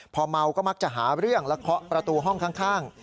พอเมาก็มักจะหาเรื่องและเคาะประตูห้องข้าง